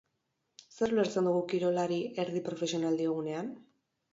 Zer ulertzen dugu kirolari erdi profesional diogunean?